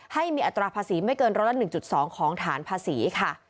ให้มีอัตราภาษีไม่เกินร้อยละ๑๒ของฐานภาษีค่ะ